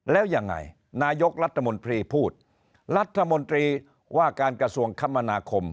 แล้วยังไงนายกรัฐมนตรีพูดรัฐมนตรีว่าการกระทรวงคมนาคม